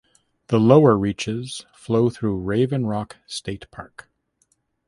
The lower reaches flow through Raven Rock State Park.